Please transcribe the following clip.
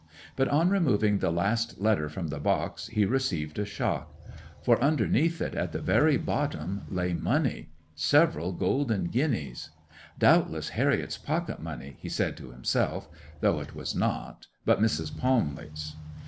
'But on removing the last letter from the box he received a shock; for underneath it, at the very bottom, lay money—several golden guineas—"Doubtless Harriet's pocket money," he said to himself; though it was not, but Mrs. Palmley's.